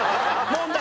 問題。